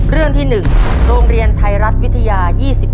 เรื่องที่๑โรงเรียนไทยรัฐวิทยา๒๑